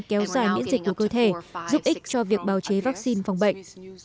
kéo dài miễn dịch của cơ thể giúp ích cho việc bào chế vaccine phòng bệnh